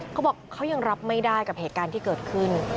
เขาบอกเขายังรับไม่ได้กับเหตุการณ์ที่เกิดขึ้น